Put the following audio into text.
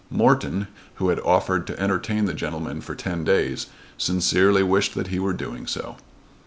Morton, who had offered to entertain the gentleman for ten days, sincerely wished that he were doing so.